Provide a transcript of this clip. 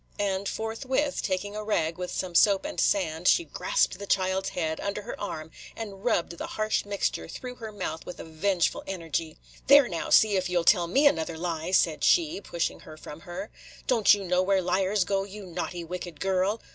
And forthwith, taking a rag with some soap and sand, she grasped the child's head under her arm, and rubbed the harsh mixture through her mouth with a vengeful energy. "There, now, see if you 'll tell me another lie," said she, pushing her from her. "Don't you know where liars go to, you naughty, wicked girl?